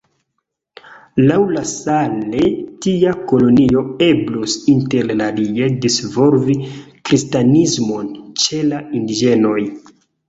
Laŭ La Salle, tia kolonio eblus interalie disvolvi kristanismon ĉe la indiĝenoj.